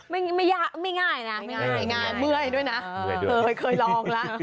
ไม่ง่ายนะมื้อยด้วยนะเคยลองละ